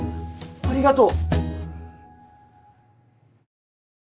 ありがとう！